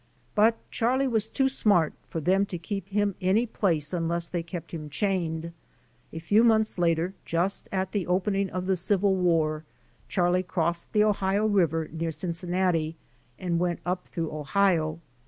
But Charlie was too smart for them to keep him any place unless they kept him chained. A few months later, just at the open ing of the Civil war, Charlie crossed the Ohio river near Cin cinnati and went up through Ohio.